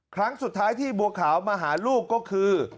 ครั้งสุดท้ายที่บัวขาวมาหาลูกก็คือ